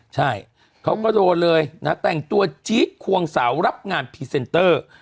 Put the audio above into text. ใช่เขาก็โดนเลยนะแต่งตัวจี๊ดควงสาวรับงานพรีเซนเตอร์